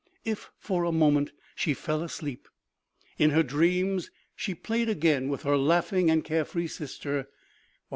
If for a moment she fell asleep, in her dreams she played again with her laughing and care free sister, while OMEGA.